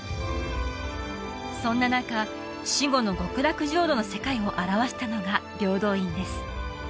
そんな中死後の極楽浄土の世界を表したのが平等院です